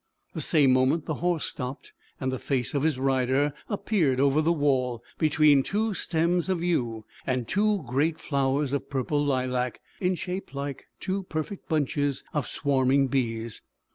The same moment the horse stopped, and the face of his rider appeared over the wall, between two stems of yew, and two great flowers of purple lilac, in shape like two perfect bunches of swarming bees.